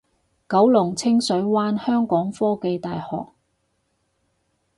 九龍清水灣香港科技大學